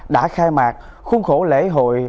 đã khai mạc khuôn khổ lễ hội